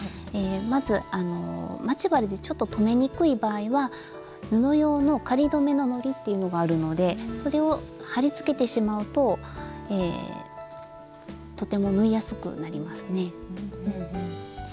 まず待ち針でちょっと留めにくい場合は布用の仮留めののりっていうのがあるのでそれを貼りつけてしまうととても縫いやすくなりますね。